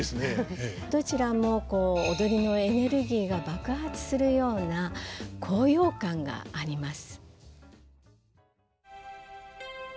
どちらも踊りのエネルギーが爆発するような高揚感があります。